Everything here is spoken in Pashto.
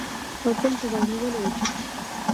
اذان ته غوږ نیول واجب دی.